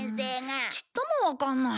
うんちっともわかんない。